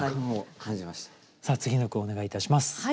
さあ次の句をお願いいたします。